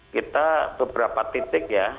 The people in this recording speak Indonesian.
kita beberapa titik ya